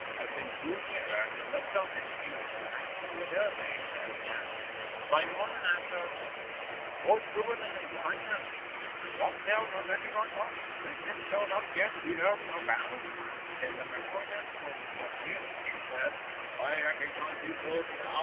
As they drew nearer he looked up and hailed them, asking whither they were bound. Wainamoinen answered: 'O stupid Lemminkainen, dost thou not recognise us, and canst thou not guess whither we are bound?' Then Lemminkainen, for it was really he, said: 'I recognise you both now.